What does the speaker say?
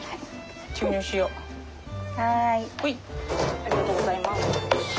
ありがとうございます。